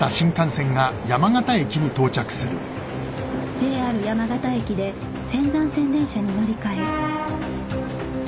ＪＲ 山形駅で仙山線電車に乗り換え